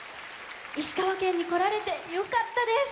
石川県にこられてよかったです！